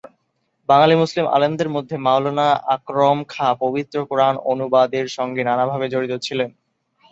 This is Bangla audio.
বাঙালি মুসলিম আলেমদের মধ্যে মওলানা আকরম খাঁ পবিত্র কোরআন অনুবাদের সঙ্গে নানাভাবে জড়িত ছিলেন।